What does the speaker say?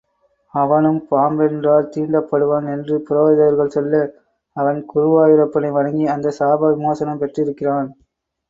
அவனும் பாம்பொன்றால் தீண்டப் படுவான் என்று புரோகிதர்கள் சொல்ல, அவன் குருவாயூரப்பனை வணங்கி அந்த சாப விமோசனம் பெற்றிருக்கிறான்.